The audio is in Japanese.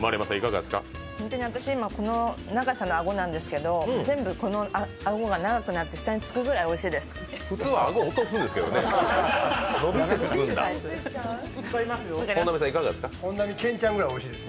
ホントに私、今この長さの顎なんですけど、全部この顎が長くなって下につくぐらいおいしいです。